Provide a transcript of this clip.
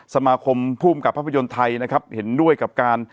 สมาคมภูมิกับภาพยนตร์ไทยนะครับเห็นด้วยกับการ